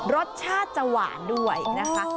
รสชาติจะหวานด้วยนะคะ